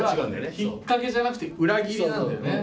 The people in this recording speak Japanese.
引っ掛けじゃなくて裏切りなんだよね。